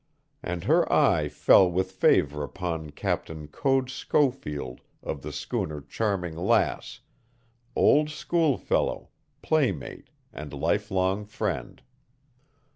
And her eye fell with favor upon Captain Code Schofield of the schooner Charming Lass, old schoolfellow, playmate, and lifelong friend.